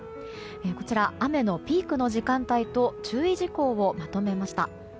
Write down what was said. こちら、雨のピークの時間帯と注意事項をまとめました。